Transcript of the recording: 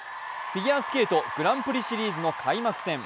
フィギュアスケートグランプリシリーズの開幕戦。